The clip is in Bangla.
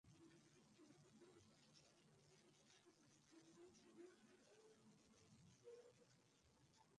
জানেন, সেদিন মেসি মেসির মতো খেললে সেই স্বপ্ন পূরণ হবে না।